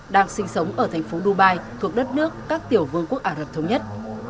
đang sinh sống ở thành phố dubai thuộc đất nước các tiểu vương quốc ả rập thống nhất